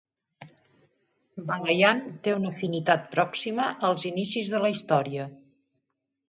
Balayan té una afinitat pròxima als inicis de la història.